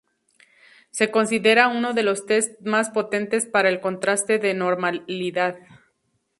Se considera uno de los test más potentes para el contraste de normalidad.